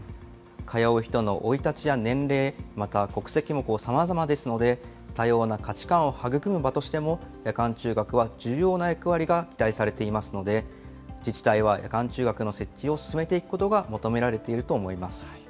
通う人の生い立ちや年齢、また国籍もさまざまですので、多様な価値観を育む場としても、夜間中学は重要な役割が期待されていますので、自治体は夜間中学の設置を進めていくことが求められていると思い